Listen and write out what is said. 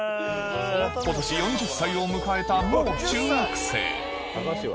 今年４０歳を迎えた「もう中学生」